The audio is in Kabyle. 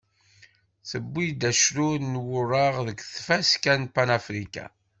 Tewwi-d acrur n wuraɣ deg tfaska n Panafrican.